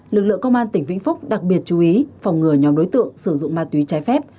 lực lượng công an tỉnh vĩnh phúc đặc biệt chú ý phòng ngừa nhóm đối tượng sử dụng ma túy trái phép